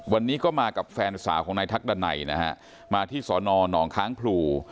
วันนี้ก็มากับแฟนสาวของนายทักดันัยนะฮะมาที่สอนอหนองค้างพลู